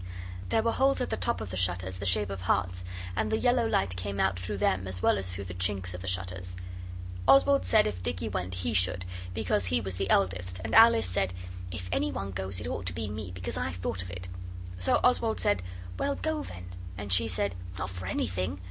There were holes at the top of the shutters the shape of hearts, and the yellow light came out through them as well as through the chinks of the shutters. Oswald said if Dicky went he should, because he was the eldest; and Alice said, 'If any one goes it ought to be me, because I thought of it.' So Oswald said, 'Well, go then'; and she said, 'Not for anything!